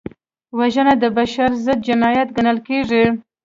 وژنه د بشر ضد جنایت ګڼل کېږي